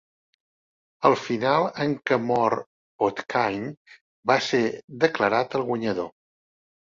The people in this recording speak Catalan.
El final en què mor Podkayne va ser declarat el guanyador.